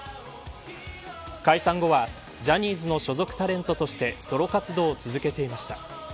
解散後はジャニーズの所属タレントとしてソロ活動を続けていました。